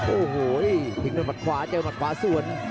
โอ้โหทิ้งด้วยมัดขวาเจอหมัดขวาส่วน